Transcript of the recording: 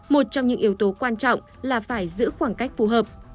một trong những yếu tố quan trọng là phải giữ khoảng cách phù hợp